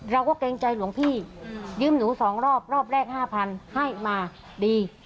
เกรงใจหลวงพี่ยืมหนู๒รอบรอบแรก๕๐๐๐ให้มาดี